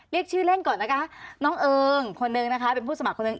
เรียกชื่อเล่นก่อนนะคะน้องเอิงคนนึงนะคะเป็นผู้สมัครคนหนึ่ง